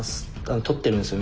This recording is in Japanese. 撮ってるんですよ